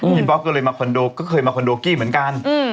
บล็อกก็เลยมาคอนโดก็เคยมาคอนโดกี้เหมือนกัน